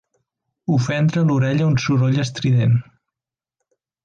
Ofendre l'orella un soroll estrident.